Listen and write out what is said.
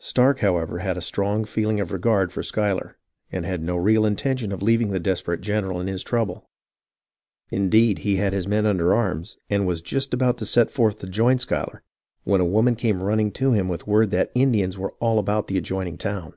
Stark, however, had a strong feeling of regard for Schuyler, and had no real intention of leaving the desper ate general in his trouble. Indeed, he had his men under arms, and was just about to set forth to join Schuyler, when a woman came running to him with word that Ind ians were all about the adjoining town.